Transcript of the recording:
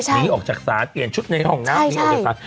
นีออกจากศาสตร์เปลี่ยนชุดในห้องน้ำ